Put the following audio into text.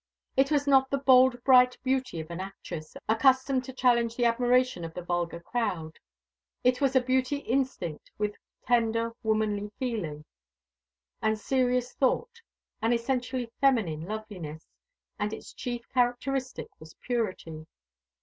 It was not the bold bright beauty of an actress, accustomed to challenge the admiration of the vulgar crowd; it was a beauty instinct with tender womanly feeling, and serious thought, an essentially feminine loveliness; and its chief characteristic was purity.